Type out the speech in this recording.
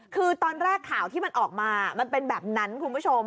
คือตอนแรกข่าวที่มันออกมามันเป็นแบบนั้นคุณผู้ชม